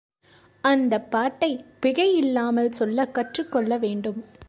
அந்தப் பாட்டைப் பிழை இல்லாமல் சொல்லக் கற்றுக் கொள்ள வேண்டும்.